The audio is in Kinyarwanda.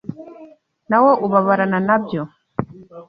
na wo ubabarana nabyo